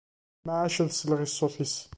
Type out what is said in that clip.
Maɛac ad as-sleɣ i ṣṣut-is.